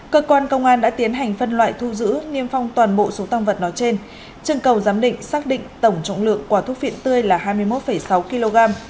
cơ quan công an đã tiến hành phân loại thu giữ niêm phong toàn bộ số tăng vật nói trên chương cầu giám định xác định tổng trọng lượng quả thuốc phiện tươi là hai mươi một sáu kg